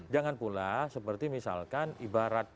jangan pula seperti misalkan ibarat